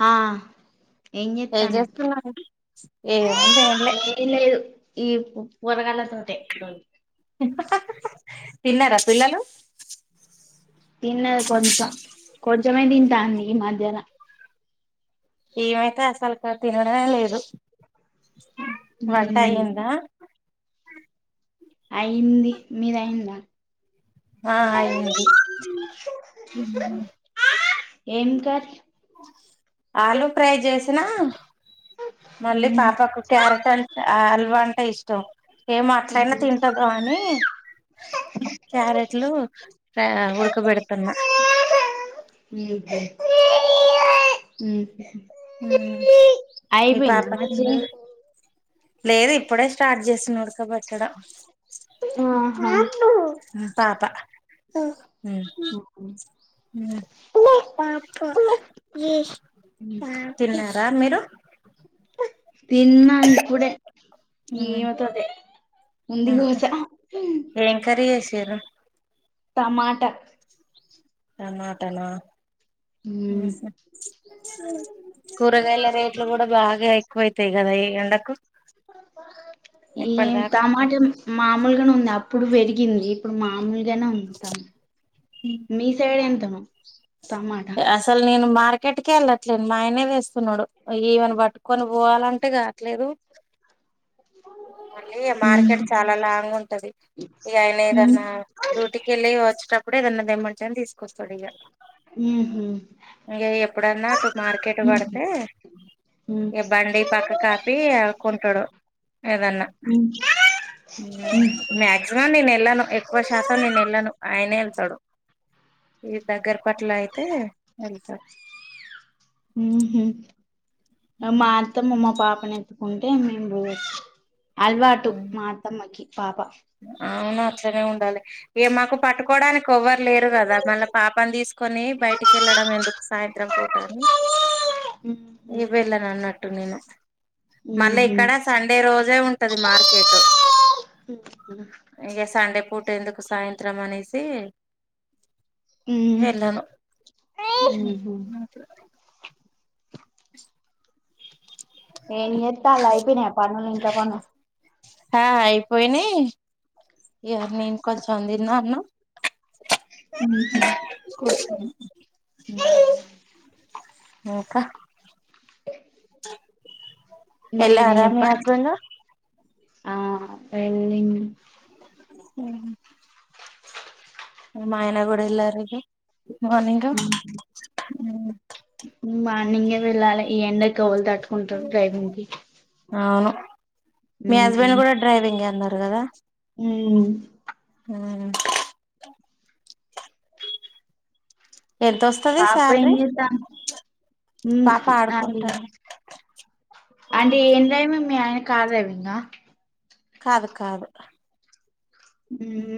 హా ఏం ఏ చేత్తన్నావ్ చేస్తున్నా ఏ ఉంది ఏంలే ఏం లేదు ఈ పొరగాల్ల తోటె తిన్నర పిల్లలు తిన్నది కొంచెం కొంచమే తింటాంది ఈ మధ్యన ఈమైతే అసల్క తినడమే లేదు మ్మ్ వంటయిందా [inaudible] అయింది మీది అయిందా ఆ అయ్యింది ఏం కర్రీ ఆలు ఫ్రై చేసినా మళ్ళీ మ్మ్ మ్మ్ పాపకు క్యారెట్ అంట ఆల్వ ఇష్టం ఏమొ అట్లయినా తింటదో అనీ క్యారెట్లు ఉడకబెడుతున్నా మ్ హ్మ్మ్ మీ పాప కి మరి లేదు ఇప్పుడె స్టార్ట్ చేసిన ఉడకబెట్టడం ఆహా [inaudible] పాప [inaudible] [inaudible] మీరు తిన్నా ఇప్పుడే ఈమె తోటె ఏం కర్రి చేసిర్రు టమాట టమాటనా మ్మ్ కూరగాయల రేట్లు కుడ బాగా ఎక్కువయితయి కదా ఈ ఎండకు ఈ ఎప్పటిదాకా టమాటా ప్పుడు మాముల్ జనం మీ సైడ ఎంత మ అసలు నేను మా మార్కెట్కి ఎళ్ళట్లేదు మా ఆయనే తెస్ నోడు ఈవెన్ బట్కొన్ పోవాలంటే కాట్లేదు మళ్ళీ మ్మ్ మార్కెట్ చాలా లాంగ్ ఉంటది ఇగ ఆయన మ్మ్ ఏదన్నా డ్యూటికి వెళ్ళి వచ్చేటప్పుడు ఏదన్నా తెమ్మంటే తీసు కొస్తాడు ఇగ ఊహూ ఇంక ఎప్పుడన్నా అటు మార్కెట్ మ్మ్ పడితే మ్మ్ ఇక బండి పక్క కాపి కొంటాడు ఏదన్నా మ్మ్ మాక్సిమం నేను ఎళ్ళను ఎక్కువ శాతం నేను ఎళ్ళను ఆయనే ఎళ్తాడు ఇ దగర్ గట్లా అయితే ఎళ్తను అ మా అత్తమ్మా మా పాప్ నెత్కుంటే మేము రోజు అల్వాటు మాఅత్తమ్మకి పాప తనే ఉండాలి ఏ మాకు పట్టుకోవడానికి కెవ్వరు లేరు కదా మళ్ళా పాపం తీసుకొని బయటికి ఎళ్ళడం ఎందుకు సాయంత్రం పూట ని వెళ్ళను అన్నట్టు నేను మళ్ళా ఉహు ఇక్కడ సండే రోజే ఉంట మార్కెటు ఇక సన్ సండే పూట ఎందుకు సాయంత్రం అనేసి నే ఎళ్ళను ఉహు ఏన్ చేత అలా అయిపోయినా పనులు ఇంట్ల పనుల హా అయిపోయినాయ్ ఎవరు మీ ఇంట్క్ కొ మన్ తిన్నన్నవ్ ఇంకా అ మీరే ఎల్లారా మీ చెప్పాలి హస్బెండు ఆ వెళ్ళి హుమ్ మాయన గుడా ఎల్లారు ఉ మార్నింగ్ ఆ ఊ మార్నింగే వెళ్ళాలే ఈ ఎండకెవల్ దట్ ఉంటరు డ్రైవింగ్ కి అవును మీ హస్బెండ్ గుడ డ్రైవింగే అన్నరు గదా ఉమ్ హా ఎంత వస్తది పాప ఏం శాలరీ చేస్తాంది మ్మ్ పాప అది ఆడుకుంటాంది అది ఏం మీ ఆయన కార్ డ్రైవింగా కాదు కాదు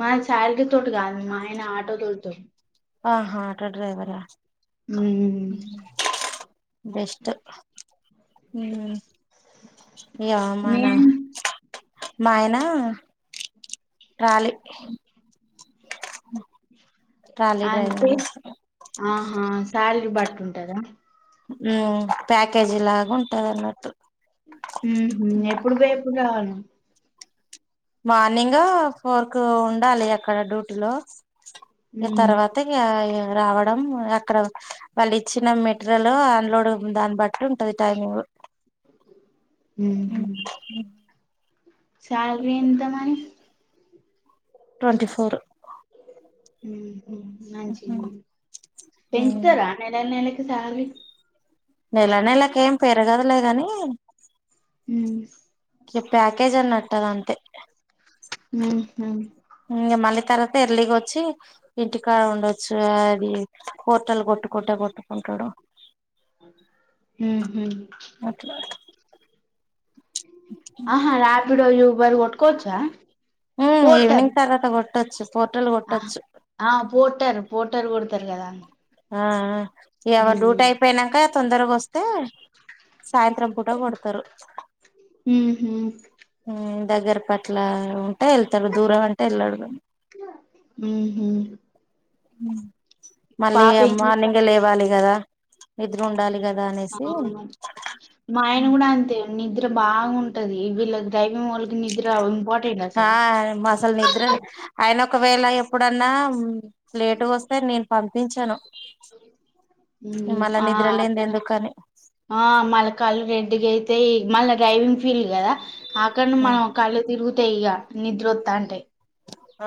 మా సాల్రి తోటి కాదు మాయన ఆటో తోలుతరు ఆహా ఆటో డ్రైవరా మ్మ్ బెస్ట్ మ్మ్ ఇగ మీ మన ఆయన మాయనా ట్రాలీ ట్రాలీ అంటె డ్రైవింగ్ చేస్తాడు ఆహా సాల్ బట్టివుంటదా ఉమ్ ఆ ప్యాకేజీ లాగా ఉంటదన్నట్టు మ్మ్ హు ఎప్పుడు పోయి ఎప్పుడు రావాలి మార్నింగ్ ఫోర్ కు ఉండాలి అక్కడ డ్యూటీ లో ఇగ మ్మ్. తర్వాత ఇగ రావడం అక్కడ వాళ్ళు ఇచ్చిన మెటీరియల్ ఆన్లోడ్ దాని బట్టి ఉంటుంది టైమింగ్ మ్మ్ మ్మ్ సాలరి ఎంత మని ట్వంటీ ఫోరు మ్మ్ మంచిది పెంచుతరా నెల నెలకు సాలరీ నెల నెలకు ఏం పెరగదులే గని మ్మ్. ఇది ప్యాకేజ్ అన్నట్టు ఆ అంతే ఉహు ఇంగ మళ్లీ తర్వాత ఎర్లీగా వచ్చి ఇంటికాడ ఉండొచ్చు అది హోటల్ కొట్టుకుంటా కొట్టుకుంటడు మ్మ్హ్మ్. అట్లా ఆహా రాపిడో యు వాళ్లు కొట్టుకోవచ్చా ఆ ఈవనింగ్ తర్వాత కొట్ టొచ్చు ఆ ఆ పోర్ట్ పోర్టర్ పోర్టర్ కొడతరు కదా ఆ ఆ ఏవో మ్మ్. డ్యూట్అయిపోయినంక తొందరగోస్ తే సాయంత్రం పూట కొడతారు మ్మ్హ్మ్. ఉ దగ్గర పట్ల అంటే వెళ్తడు దూరం అంటే వెళ్ళడు [inaudible] ఉహు మళ్ళీ పాప ఏం చేస్తాంది మార్నింగే లేవాలి కదా నిద్ర ఉండాలి కద్ ఆ మా ఆయన కూడా అంతే నిద్ర బాగుంటది వీళ్ళ డ్రైవింగ్ వాళ్ళకి నిద్ర ఇంపోర్ట్ ఆ అసలు నిద్ర ఆయన ఒకవేళ ఎప్పుడన్నా లేటుగోస్తే నేను పంపి పంపించను ఉ ఆ నిద్ర లేనిది అట్లనే ఎందుకని ఆ మళ్ళ కళ్ళు రెడ్డిగయితాయి మళ్ళ డ్రైవింగ్ ఫీల్డ్ కదా అఖండి మ కళ్ళు తిరుగు తియ్యగా నిద్ర ఒత్తాంటే ఆ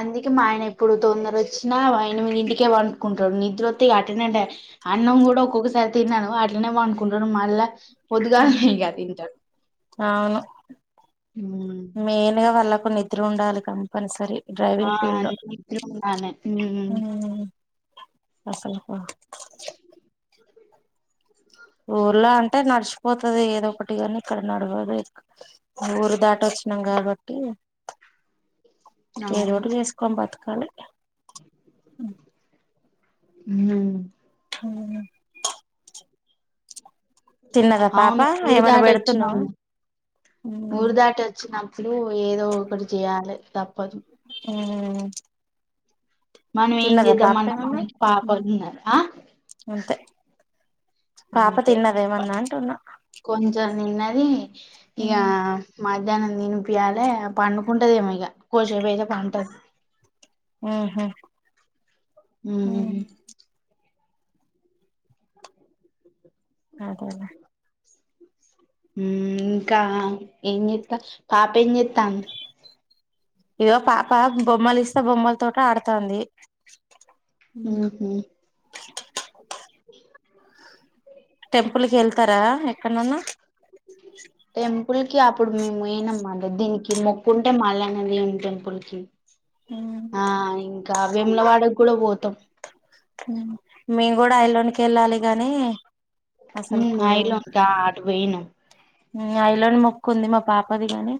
అందుకే మా ఆయన ఎప్పుడు తొందర వచ్చినా ఆ ఎనిమిదిటికే వండుుకుంటడు నిద్ర వత్త అట్నే అంటే అన్నం కూడా ఒక్కొక్కసారి తినడు అట్నే వంకుంటాడు మళ్ళా పొద్దుగాలనే ఇగ తింటడు అవును న్ని నిద్ర ఉండాలి కంపనీసరి ఆ నిద్రుండలే హూ అసలు [inaudible] ఊర్లో అంటే నడచ్ పోతది ఏదో ఒకటిగని ఇక్కడ నడవదు ఊరు దాటొచ్చినాం కాబట్టి అవును ఏదోటి చేసుకొని బతుకు కానీ హ ఉన్నాము. తిన్నదా పాప అవును ఊరు ఏమన్నా దాటి వచ్చినాం పెడుతున్నవా ఊ సులు ఏదో ఒకటి చేయాలె తప్పదు. హ్మ్ మనం ఏం చేద్దామన్నా ఏమన్నా మనకి పాప ఉన్నారు ఆ అంతే పాప అంతే తిన్నద ఏమన్నా అంటున్నా కొంచెం. తిన్నది. ఇగా. మధ్యాహ్నం తినిపియాలె పండుకుంటదెమో ఇగ కోసేపయితే పంటది. ఊహు ఊ అదేలే ఊ ఇంకా ఏంచేత్త పాప ఏం చేత్తాంది. ఇదిగో పాప బొమ్మలిస్తే బొమ్మలతోటాడతాంది. ఊహు టెంపుల్కి ఎళ్తారా ఎక్కడ్నన్నా. టెంపుల్ కి అప్పుడు మేం పాయినమ్ మ దద్దినికి. మేం మొక్కుంటే మల్లన్న దేవుని టెంపుల్ కి. ఆ ఇంకా వేములవాడ. కూడా పోతమ్. ఊ మేం గూడా ఎల్లుండికి ఎళ్ళాలి గానీ. ఊ ఐలోకా ఆటు పోయినమ్. ఐలోని మొక్కుంది, మా పాపది గాని.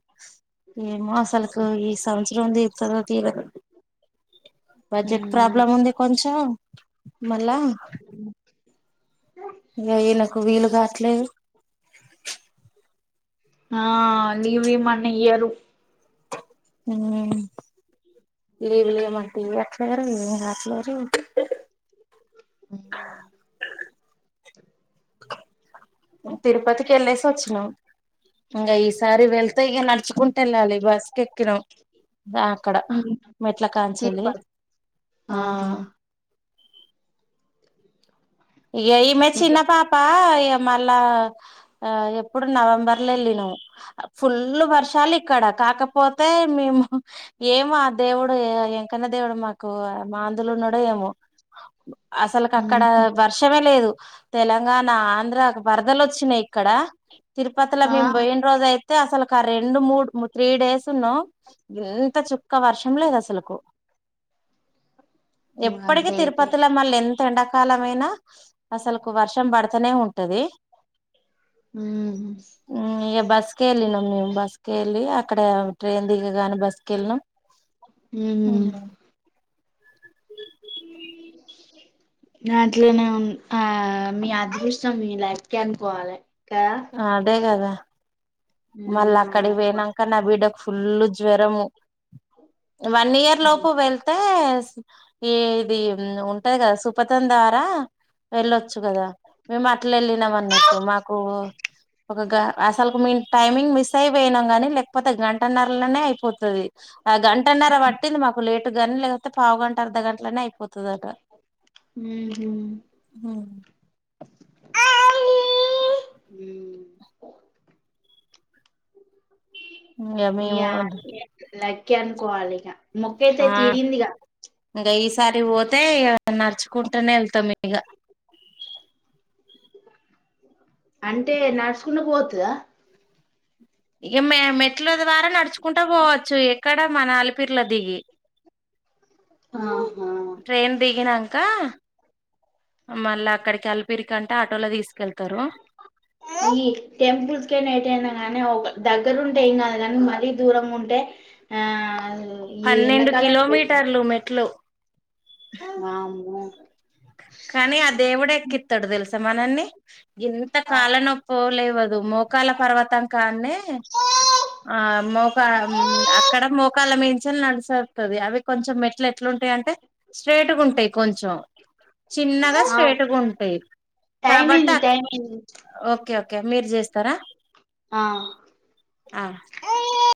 ఏమో అసల్కు ఈ సంవత్స. రండి. తనివితీరా. బడ్జెట్ ఉమ్ ప్రాబ్లం ఉంది కొంచెం. మళ్ళ ఇంగ ఈయనక్. కు వీలు గాట్లేదు. ఆ లీవ్ ఇయ్మన్నా ఇయ్యరు. ఊ లీవులు ఇయ్యమంటే ఇయట్లేరు వినట్లేదు. ఊ తిరుపతికి వెళ్ళేసి వచ్చినాం. ఇంగ ఈసారి వెళతే ఇక నడుచుకుంటా వెళ్ళాలి బస్ కెక్కినం. బా అక్కడ ఉమ్ మెట్లకానించెల్లి తిరుపతి ఆ. ఆహా ఇగ ఈమె చిన్న ఇంకా పాపా ఇగ. మళ్ళా ఆ ఎప్పుడు నవంబర్ లో ఎల్లినం ఫుల్ వర్షాలు ఇక్కడ కాకపోతే మేము ఏమో ఆ దేవుడు ఎంకన్నా దేవుడు మాకు మాందులు ఉన్నాడో ఏమో అసలక్ అక్కడ ఉమ్ లేదు తెలంగాణ ఆంధ్ర వరదలు వచ్చినాయి ఇక్కడ తిరుపతిలో ఆ మేము పోయిన రోజు అయితే అసల ఒక రెండు మూడు త్రీ డేస్ ఉన్నాం ఇంత చుక్క వర్షం లేదు అసలులకు ఎప్పటికి గ్రేటే తిరుపతి లో మళ్ళీ ఎం ఎండాకాలమైన అసలకు వర్షం పడతానే ఉంటది ఉమ్ బస్ కె వెళ్ళినం మేము బస్ కే ఏళ్ళి అక్కడ ట్రైన్ దిగగానే బస్ కే వెళ్ళినాం ఉమ్ అట్లనే ఆ మీ అదృష్టం మీ లైఫ్ కె అనుకోవాలె అదె కదా మళ్ల్ అక్కడ ఉమ్ పోయినంక నా బిడ ఫుల్లు జ్వరము వన్ ఇయర్ లోపు వెళ్తే ఏది ఉంటది కదా సుపతందారా వెళ్ళొచ్చు కదా మేము అట్లా వెళ్ళినాం అన్నట్టు మాకు ఒక అసలు [unintelligible] నర్లినే అయిపోతు ఆ గంటన్నర పట్టింది మాకు లేట్ [unintelligible] పావు గంట అర్ధ గంటలనే అయిపోతుది ఆడ ఉహు ఇంగ మేము [unintelligible] కే అనుకోవాలిగ మొక్కు అయితే తీరిందిగ ఇసారి పోతే నడుచుకుంటూనే వెల్ తమిగ అంటే నడుచుకున పోతుద ఇక మ మెట్ల ద్వారా నడుచుకుంటా పోవచ్చు ఎక్కడ మన అలిపిర్లో దిగి ఆహా ట్రైన్ దిగినంక మళ్ళా అక్కడికి అలిపిరి కంట ఈ టెంపుల్స్ గే న అయితే నాంగాని దగ్గరుంటే ఏం కాదు కాని మరీ దూరంగా ఉంటే ఆ ఈ పన్నెండు కిలోమీటర్లు మెట్లు ఆ కానీ అ దేవుడు ఎక్కిత్తడు తెల్స్ మనన్ని ఎంత ఆ కాల నొప్పొ లేవదు మోకాల పర్వతం కాన్నే ఆ మోకా అక్కడ మోకాల మీ నడిసగుతుంది అవి కొంచం మెట్లు ఎట్లుంటయి అంటే స్ట్రేట్గుంటయి కొంచం చిన్నగా స్ట్రేట్గుంటయి టైం కాబట్టి అయింది అ టైం అయింది ఓకే ఓకే ఓకే మీరు చేస్తారా ఆ